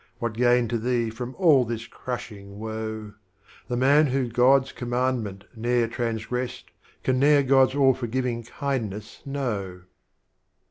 What gain to Thee from all this Crushing Woe? The Man who God's Commandment ne'er trans gressed, Can ne'er God's All Forgiving Kindness know.